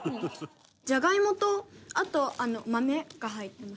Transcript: じゃがいもとあと豆が入ってます。